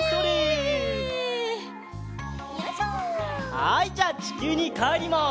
はいじゃあちきゅうにかえります。